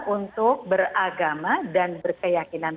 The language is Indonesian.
untuk beragama dan berkeyakinan